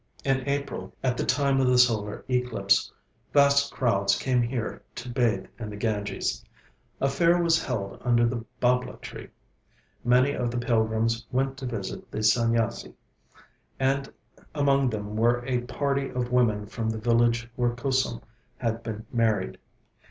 In April, at the time of the solar eclipse, vast crowds came here to bathe in the Ganges. A fair was held under the bābla tree. Many of the pilgrims went to visit the Sanyasi, and among them were a party of women from the village where Kusum had been married.